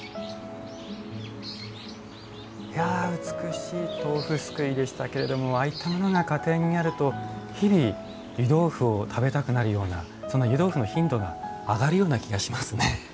美しい豆腐すくいでしたけれどもああいったものが家庭にあると日々湯豆腐を食べたくなるようなその湯豆腐の頻度が上がるような気がしますね。